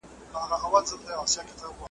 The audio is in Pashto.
د سندرغاړو لپاره .